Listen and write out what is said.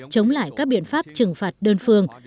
chống lại các biện pháp trừng phạt đơn phương